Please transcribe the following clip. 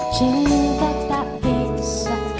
cinta tak bisa